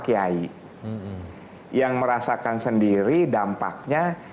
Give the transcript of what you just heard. kiai yang merasakan sendiri dampaknya